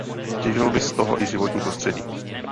Těžilo by z toho i životní prostředí.